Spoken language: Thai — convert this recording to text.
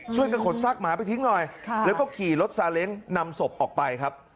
ช่วยกันขนซากหมาไปทิ้งหน่อยแล้วก็ขี่รถซาเล้งนำศพออกไปครับ